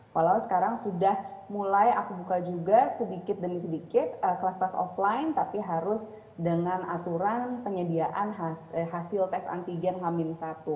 walau sekarang sudah mulai aku buka juga sedikit demi sedikit kelas kelas offline tapi harus dengan aturan penyediaan hasil tes antigen hamil satu